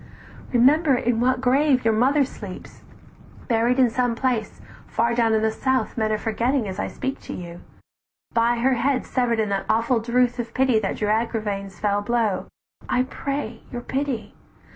Remember in what grave your mother sleeps, "Buried in some place far down in the south Men are forgetting as I speak to you; By her head sever'd in that awful drouth "Of pity that drew Agravaine's fell blow, I pray your pity!